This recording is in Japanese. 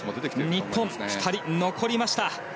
日本、２人残りました。